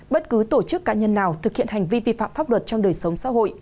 bất cứ tổ chức cá nhân nào thực hiện hành vi vi phạm pháp luật trong đời sống xã hội